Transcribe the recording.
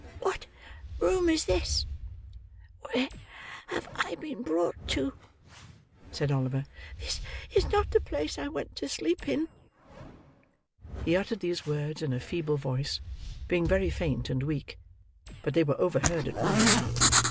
"What room is this? Where have I been brought to?" said Oliver. "This is not the place I went to sleep in." He uttered these words in a feeble voice, being very faint and weak; but they were overheard at once.